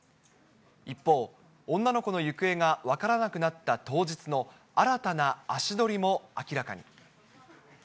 一方、女の子の行方が分からなくなった当日の新たな足取りも明らかに。